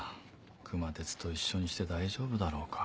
熊徹と一緒にして大丈夫だろうか？